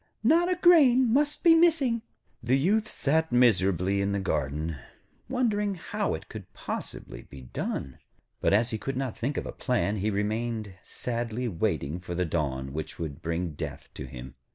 'Not a grain must be missing.' The Youth sat miserably in the garden, wondering how it could possibly be done. But as he could not think of a plan, he remained sadly waiting for the dawn which would bring death to him.